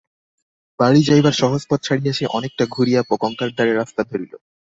বাড়ি যাইবার সহজ পথ ছাড়িয়া সে অনেকটা ঘুরিয়া গঙ্গার ধারের রাস্তা ধরিল।